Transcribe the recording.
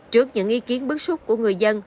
trước những ý kiến bước xuất của người dân